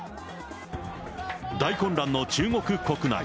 大混乱の中国国内。